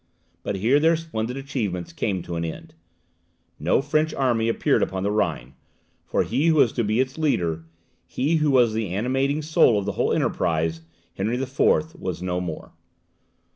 But here their splendid achievements came to an end. No French army appeared upon the Rhine; for he who was to be its leader, he who was the animating soul of the whole enterprize, Henry IV., was no more!